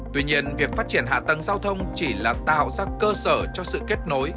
tuy nhiên việc phát triển hạ tầng giao thông chỉ là tạo ra cơ sở cho sự kết nối